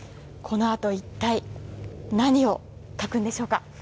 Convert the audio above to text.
このあと、一体何を書くんでしょうか。